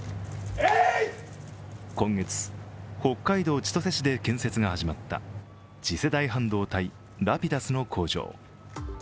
今月、北海道千歳市で建設が始まった次世代半導体、Ｒａｐｉｄｕｓの工場。